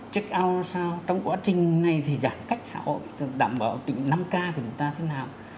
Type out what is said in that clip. check out là sao trong quá trình này thì giảm cách xã hội đảm bảo tỉnh năm k của chúng ta thế nào